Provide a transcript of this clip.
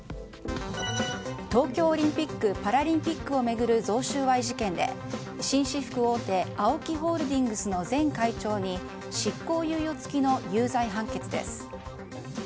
東京オリンピック・パラリンピックを巡る贈収賄事件で紳士服大手ＡＯＫＩホールディングスの前会長に執行猶予付きの有罪判決です。